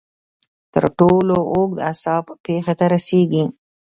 تر ټولو اوږد اعصاب پښې ته رسېږي.